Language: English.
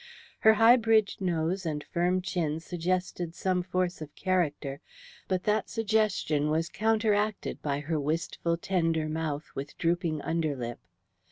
Her high bridged nose and firm chin suggested some force of character, but that suggestion was counteracted by her wistful tender mouth, with drooping underlip.